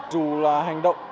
dù là hành động